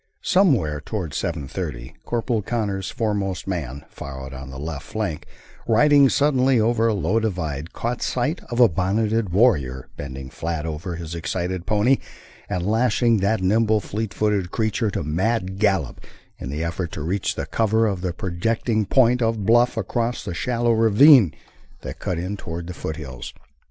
Somewhere toward seven thirty Corporal Connors' foremost man, far out on the left flank, riding suddenly over a low divide, caught sight of a bonneted warrior bending flat over his excited pony and lashing that nimble, fleet footed creature to mad gallop in the effort to reach the cover of the projecting point of bluff across the shallow ravine that cut in toward the foothills.